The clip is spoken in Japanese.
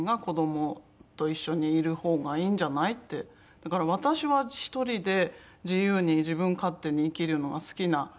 だから「私は１人で自由に自分勝手に生きるのが好きな人間だけど」